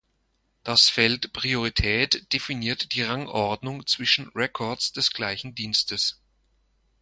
Das Feld "Priorität" definiert die Rangordnung zwischen Records des gleichen Dienstes.